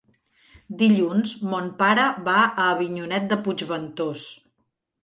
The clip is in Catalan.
Dilluns mon pare va a Avinyonet de Puigventós.